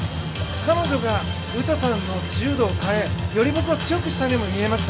彼女が、詩さんの柔道を変えより強くしたようにも見えました。